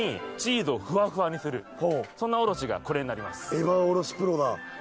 エバーおろしＰｒｏだ。